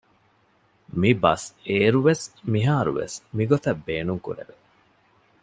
މިބަސް އޭރު ވެސް މިހާރު ވެސް މިގޮތަށް ބޭނުންކުރެވެ